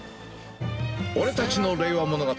俺たちの令和物語。